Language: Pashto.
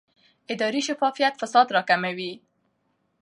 اداري شفافیت فساد راکموي